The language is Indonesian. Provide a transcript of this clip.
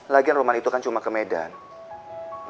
lagian rumah itu kan cuma ke medan